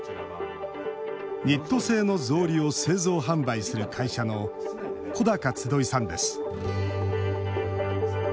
ニット製の草履を製造・販売する会社の小高集さんです。